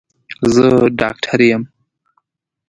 زه ډاکټر یم